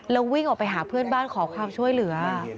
แล้ววิ่งออกไปหาเพื่อนบ้านขอความช่วยเหลือ